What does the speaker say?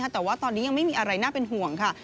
แต่ว่าตอนนี้ยังไม่มีอะไรน่าเป็นห่วงค่ะ